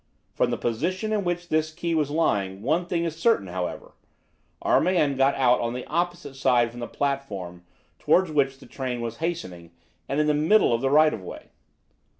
From the position in which this key was lying, one thing is certain, however: our man got out on the opposite side from the platform toward which the train was hastening and in the middle of the right of way."